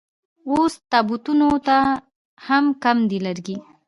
اوس تابوتونو ته هم کم دي لرګي